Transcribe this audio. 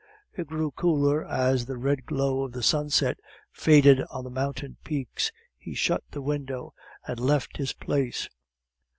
It grew cooler as the red glow of the sunset faded on the mountain peaks; he shut the window and left his place.